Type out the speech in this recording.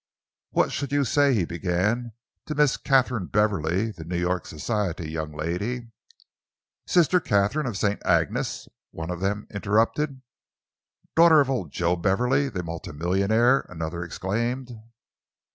"What should you say," he began, "to Miss Katharine Beverley, the New York society young lady " "Sister Katharine of St. Agnes's?" one of them interrupted. "Daughter of old Joe Beverley, the multi millionaire?" another exclaimed.